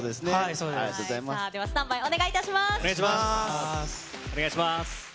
それではスタンバイ、お願いお願いします。